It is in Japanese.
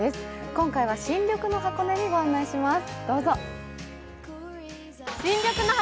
今回は新緑の箱根にご案内します。